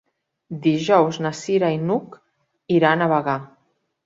Dijous na Cira i n'Hug iran a Bagà.